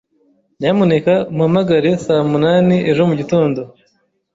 Nyamuneka umpamagare saa munani ejo mugitondo.